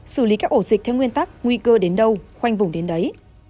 xử lý các ổ dịch theo nguyên tắc nguy cơ đến đâu khoanh vùng đến đấy